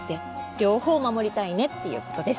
両方守りたいねっていうことです。